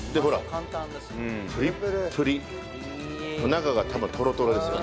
中が多分トロトロですよ。